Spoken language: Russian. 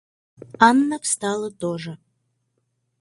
Анна встала тоже.